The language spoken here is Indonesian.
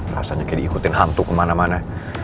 rasanya kayak diikutin hantu kemana mana